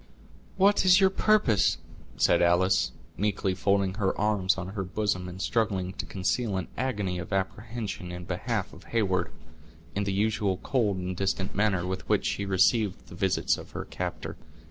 "What is your purpose?" said Alice, meekly folding her arms on her bosom, and struggling to conceal an agony of apprehension in behalf of Heyward, in the usual cold and distant manner with which she received the visits of her captor.